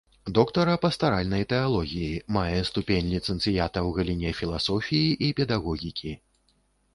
Доктара пастаральнай тэалогіі, мае ступень ліцэнцыята ў галіне філасофіі і педагогікі.